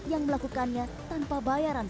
yang melakukannya tanpa bayaran